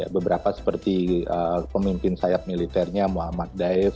beberapa seperti pemimpin sayap militernya muhammad daeb